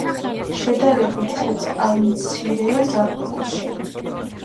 შედარებით წყალმცირეა ზაფხულში.